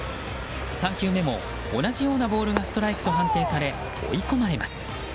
３球目も同じようなボールがストライクと判定され追い込まれます。